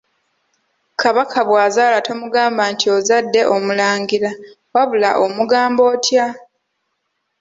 Kabaka bw'azaala tomugamba nti ozadde “omulangira” wabula omugamba otya?